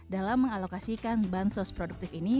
dalam mengalokasikan bansos produktif ini